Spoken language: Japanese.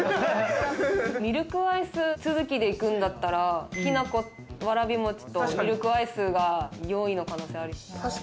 ミルクアイス続きで行くんだったら、きな粉わらび餅とミルクアイスが４位の可能性ある。